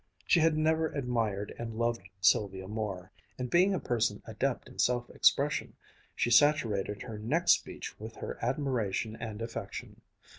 She had never admired and loved Sylvia more, and being a person adept in self expression, she saturated her next speech with her admiration and affection.